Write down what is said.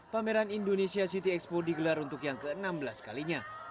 pameran indonesia city expo digelar untuk yang ke enam belas kalinya